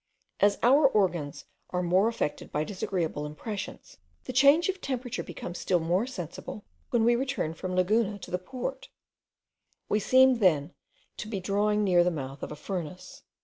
As our organs are more affected by disagreeable impressions, the change of temperature becomes still more sensible when we return from Laguna to the port: we seem then to be drawing near the mouth of a furnace.